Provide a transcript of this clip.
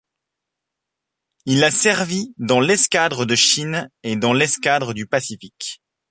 Il a servi dans l'Escadre de Chine et dans l'Escadre du Pacifique.